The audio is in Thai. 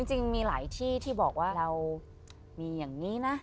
จริงว่าเรามีอย่างนี้นะ